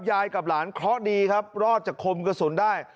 ยายกับหลานเคราะห์ดีครับรอดจากคมกระสุนได้